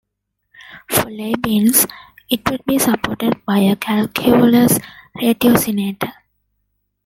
For Leibniz, it would be supported by a calculus ratiocinator.